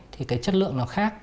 thì cái chất lượng nó khác